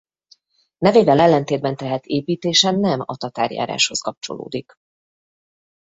Nevével ellentétben tehát építése nem a tatárjáráshoz kapcsolódik.